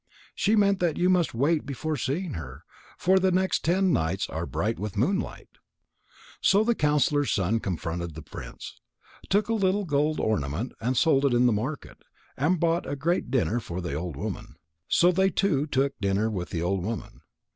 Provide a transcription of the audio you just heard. She meant that you must wait before seeing her, for the next ten nights are bright with moonlight." So the counsellor's son comforted the prince, took a little gold ornament and sold it in the market, and bought a great dinner for the old woman. So they two took dinner with the old woman.